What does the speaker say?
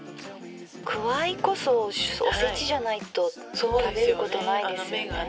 「くわいこそおせちじゃないと食べることないですよね」。